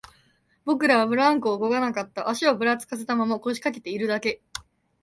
僕らはブランコをこがなかった、足をぶらつかせたまま、腰掛けているだけ